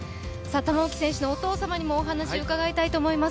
玉置選手のお父様にもお話を伺いたいと思います。